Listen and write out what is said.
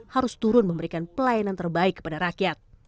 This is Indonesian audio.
harus turun memberikan pelayanan terbaik kepada rakyat